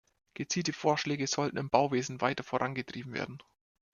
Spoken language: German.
Gezielte Vorschläge sollten im Bauwesen weiter vorangetrieben werden.